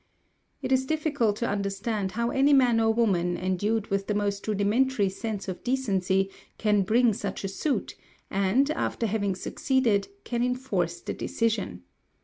It is difficult to understand how any man or woman, endued with the most rudimentary sense of decency, can bring such a suit, and, after having succeeded, can enforce the decision.